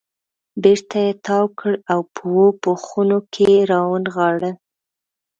بېرته یې تاو کړ او په اوو پوښونو کې یې را ونغاړه.